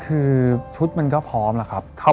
คือชุดมันก็พร้อมแล้วครับ